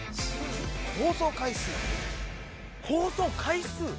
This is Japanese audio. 放送回数・放送回数？